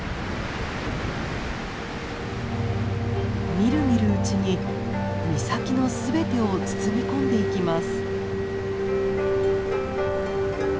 みるみるうちに岬のすべてを包み込んでいきます。